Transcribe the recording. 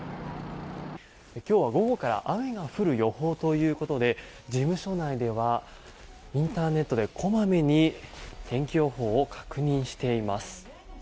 今日は午後から雨が降る予報ということで事務所内ではインターネットで小まめに天気予報を確認しています。